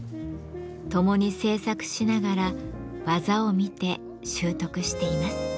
共に制作しながら技を見て習得しています。